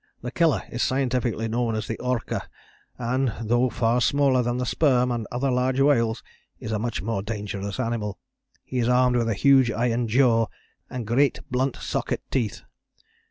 The Killer is scientifically known as the Orca, and, though far smaller than the sperm and other large whales, is a much more dangerous animal. He is armed with a huge iron jaw and great blunt socket teeth.